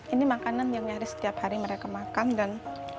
ini makanan yang nyaris setiap hari mereka makan dan